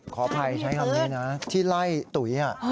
ขออภัยใช้คำนี้นะที่ไล่ตุ๋ย